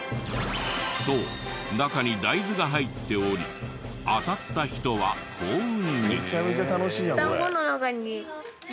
そう中に大豆が入っており当たった人は幸運に。